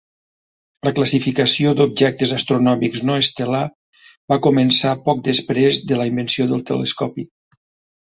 La classificació d'objectes astronòmics no estel·lar va començar poc després de la invenció del telescopi.